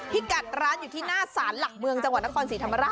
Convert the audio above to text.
พี่กัดร้านอยู่ที่หน้าศาลหลักเมืองจังหวัดนครศรีธรรมราช